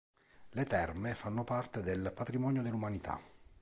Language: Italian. Le terme fanno parte del Patrimonio dell'umanità.